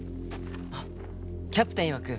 あっキャプテンいわく